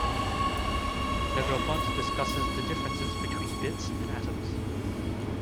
Negroponte discusses the differences between bits and atoms.